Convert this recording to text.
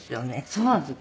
そうなんです。